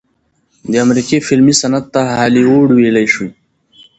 د امريکې فلمي صنعت ته هالي وډ وئيلے شي